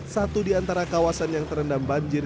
satu di antara kawasan yang terendam banjir